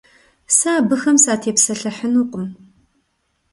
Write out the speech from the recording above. Сэ абыхэм сатепсэлъыхьынукъым.